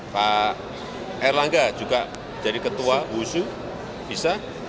pak erlangga juga jadi ketua wusu bisa